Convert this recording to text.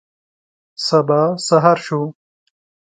سبا سهار شو.